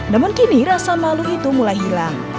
namun kini rasa malu itu mulai hilang